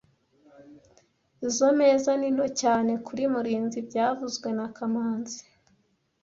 Izoi meza ni nto cyane kuri Murinzi byavuzwe na kamanzi